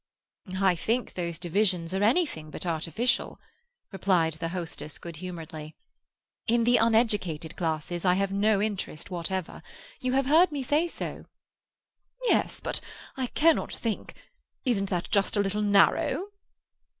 "I think those divisions are anything but artificial," replied the hostess good humouredly. "In the uneducated classes I have no interest whatever. You have heard me say so." "Yes, but I cannot think—isn't that just a little narrow?"